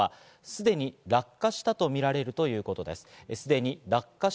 すでに落下したとみられるということです。